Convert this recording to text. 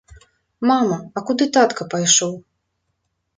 Мама, а куды татка пайшоў?